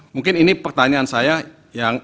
mungkin ini pertanyaan saya yang